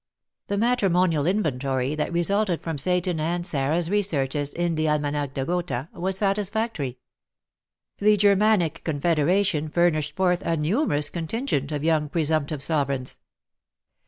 The matrimonial inventory that resulted from Seyton and Sarah's researches in the Almanach de Gotha was satisfactory. The Germanic Confederation furnished forth a numerous contingent of young presumptive sovereigns.